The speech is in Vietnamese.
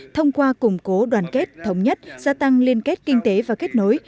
thông qua củng cố đoàn kết thống nhất gia tăng liên kết kinh tế và kết nối